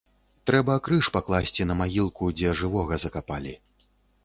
Трэба крыж пакласці на магілку, дзе жывога закапалі.